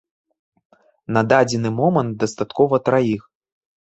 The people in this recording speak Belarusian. На дадзены момант дастаткова траіх.